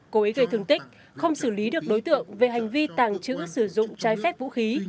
cố ý gây thương tích không xử lý được đối tượng về hành vi tàng trữ sử dụng trái phép vũ khí